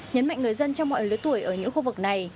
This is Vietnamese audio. nhấn mạnh người dân trong mọi lứa tuổi ở những khu vực này